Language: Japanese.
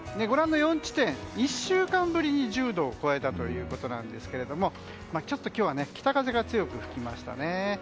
ご覧の４地点、１週間ぶりに１０度を超えたということですけれどもちょっと今日は北風が強く吹きました。